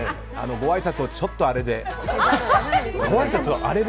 ごあいさつをちょっとあれで。